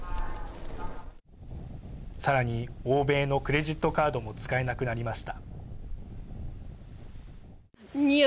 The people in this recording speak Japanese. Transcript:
さらに欧米のクレジットカードも使えなくなりました。